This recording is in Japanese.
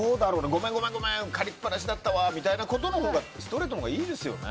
ごめん、ごめん借りっぱなしだったわということのほうがストレートのほうがいいですよね。